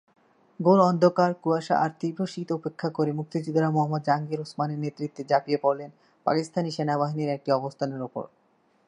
ঘোর অন্ধকার, কুয়াশা আর তীব্র শীত উপেক্ষা করে মুক্তিযোদ্ধারা মোহাম্মদ জাহাঙ্গীর ওসমানের নেতৃত্বে ঝাঁপিয়ে পড়লেন পাকিস্তানি সেনাবাহিনীর একটি অবস্থানের ওপর।